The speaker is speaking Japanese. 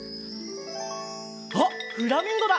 あっフラミンゴだ！